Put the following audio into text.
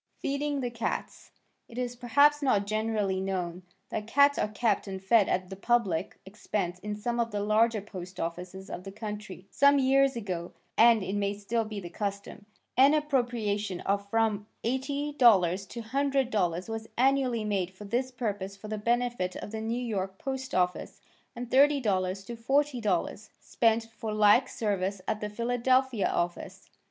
Feeding the Cats It is perhaps not generally known that cats are kept and fed at the public expense in some of the larger post offices of the country. Some years ago (and it may still be the custom) an appropriation of from $80 to $100 was annually made for this purpose for the benefit of the New York post office, and $30 to $40, spent for like service at the Philadelphia office.